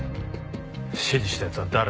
指示した奴は誰だ？